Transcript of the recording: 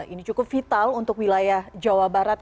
ini cukup vital untuk wilayah jawa barat